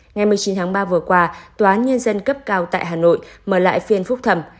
ngày một mươi chín tháng ba vừa qua tòa nhân dân cấp cao tại hà nội mở lại phiên phúc thẩm